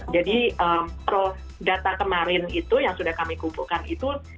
jadi data kemarin itu yang sudah kami kumpulkan itu